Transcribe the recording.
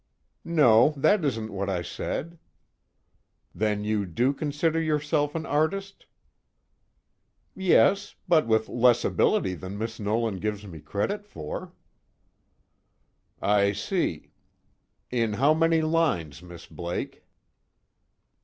"No, that isn't what I said." "Then you do consider yourself an artist?" "Yes, but with less ability than Miss Nolan gives me credit for." "I see. In how many lines, Miss Blake?"